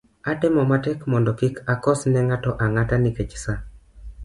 atemo matek mondo kik akos ne ng'ato ang'ata nikech saa,